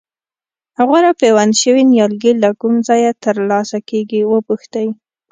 غوره پیوند شوي نیالګي له کوم ځایه ترلاسه کېږي وپوښتئ.